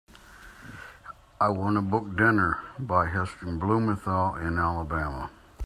I want to book Dinner by Heston Blumenthal in Alabama.